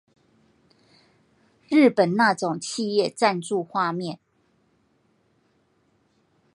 日本那種企業贊助畫面